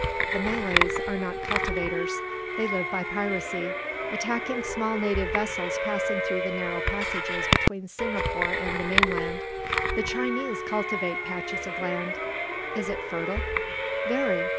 The Malays are not cultivators. They live by piracy, attacking small native vessels passing through the narrow passages between Singapore and the mainland. The Chinese cultivate patches of land." "Is it fertile?" "Very.